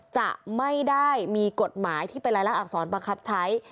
จะไม่ได้มีกฎหมายที่เป็นรายละอักษรบังคับใช้